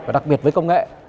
và đặc biệt với công nghệ